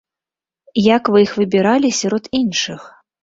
Як вы іх выбіралі сярод іншых?